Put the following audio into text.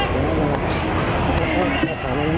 สวัสดีครับ